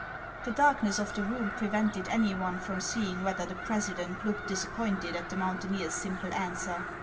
The darkness of the room prevented any one from seeing whether the president looked disappointed at the moun taineer's simple answer.